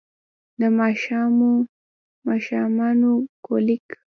د ماشومانه کولیک